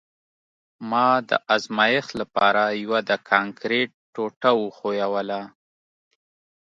ما د ازمایښت لپاره یوه د کانکریټ ټوټه وښویوله